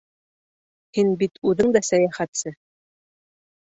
Һин бит үҙең дә сәйәхәтсе!